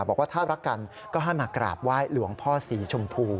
บอกว่าถ้ารักกันก็ให้มากราบไหว้หลวงพ่อสีชมพู